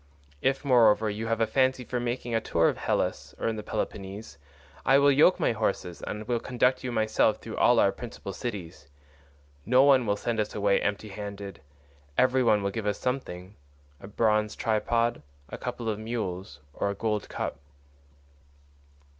If, moreover, you have a fancy for making a tour in Hellas or in the Peloponnese, I will yoke my horses, and will conduct you myself through all our principal cities. No one will send us away empty handed; every one will give us something—a bronze tripod, a couple of mules, or a gold cup."